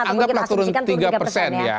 anggaplah turun tiga persen ya